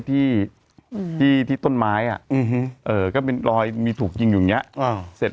ที่ที่ที่ต้นไม้อะเออก็เป็นรอยมีถูกยิงอย่างเงี้ยอ้าวเสร็จ